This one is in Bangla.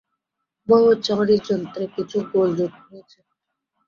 ভয় হচ্ছে, আমার হৃদযন্ত্রে কিছু গোলযোগ হয়েছে।